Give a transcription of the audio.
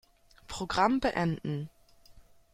Programm beenden.